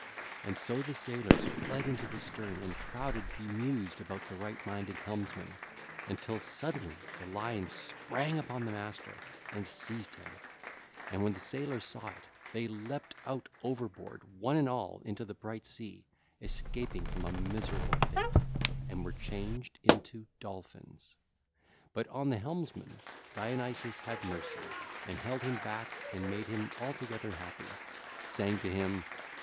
And so the sailors fled into the stern and crowded bemused about the right minded helmsman, until suddenly the lion sprang upon the master and seized him; and when the sailors saw it they leapt out overboard one and all into the bright sea, escaping from a miserable fate, and were changed into dolphins. But on the helmsman Dionysus had mercy and held him back and made him altogether happy, saying to him: (ll.